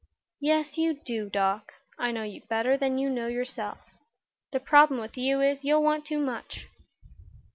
"Yes you do, Doc. I know you better than you know yourself. The trouble with you is, you'll want too much."